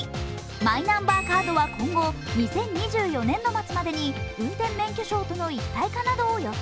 マイナンバーカードは今後２０２４年度末までに運転免許証との一体化などを予定。